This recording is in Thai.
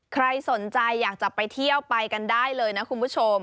ใครสนใจอยากจะไปเที่ยวไปกันได้เลยนะคุณผู้ชม